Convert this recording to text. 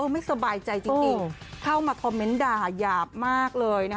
ไม่สบายใจจริงเข้ามาคอมเมนต์ด่ายาบมากเลย